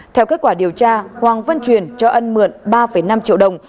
theo kết quả điều tra hoàng văn truyền cho ân mượn ba năm triệu đồng